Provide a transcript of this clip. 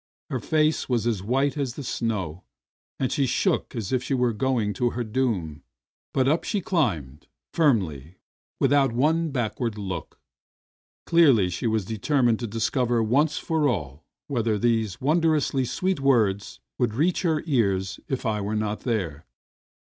Her face was as white as the snow, and she shook as if she were going to her doom, but up she climbed, firmly, without one backward look. Clearly she had determined to discover once for all whether those wondrously sweet words would reach her ears if I were not there.